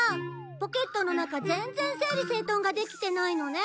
ポケットの中全然整理整頓ができてないのね。